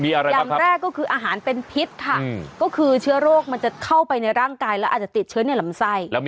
อย่างแรกก็คืออาหารเป็นพิษค่ะก็คือเชื้อโรคมันจะเข้าไปในร่างกายแล้วอาจจะติดเชื้อในลำไส้